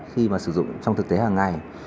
khi mà sử dụng trong thực tế hàng ngày